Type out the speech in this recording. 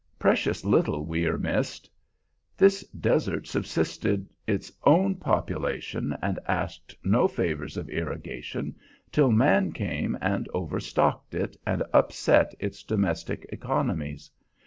Precious little we were missed. This desert subsisted its own population, and asked no favors of irrigation, till man came and overstocked it, and upset its domestic economies.